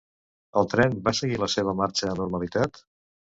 El tren va seguir la seva marxa amb normalitat?